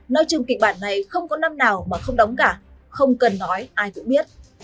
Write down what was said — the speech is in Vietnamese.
nói chung kịch bản này không có năm nào mà không đóng cả không cần nói ai cũng biết